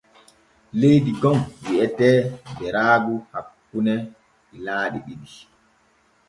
Leydi gom wi’etee Beraagu hakkune ilaaɗi ɗiɗi.